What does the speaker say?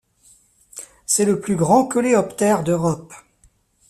C'est le plus grand coléoptère d'Europe.